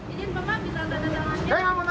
ijin pemaham bisa ada ada tangannya